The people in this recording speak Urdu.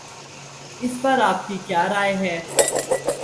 اس پر آپ کی کیا رائے ہے؟